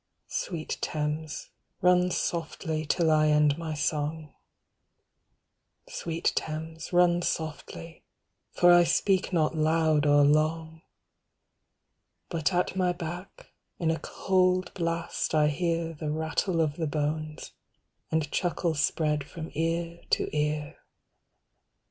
. Sweet Thames, run softly till I end my song, Sweet Thames, run softly, for I speak not loud or long. But at my back in a cold blast I hear The rattle of the bones, and chuckle spread from ear to ear.